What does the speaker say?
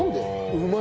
うまい。